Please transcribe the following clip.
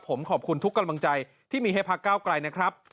ผมขอบคุณทุกกำลังใจที่มีให้พักเก้าไกลนะครับ